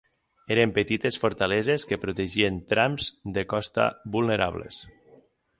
Eren petites fortaleses que protegien trams de costa vulnerables.